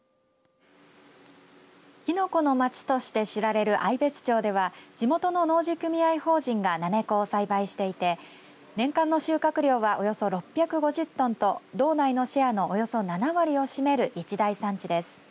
きのこの町として知られる愛別町では地元の農事組合法人がなめこを栽培していて年間の収穫量はおよそ６５０トンと道内のシェアのおよそ７割を占める一大産地です。